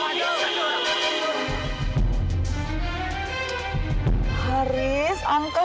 haris angkat dong telepon haris angkat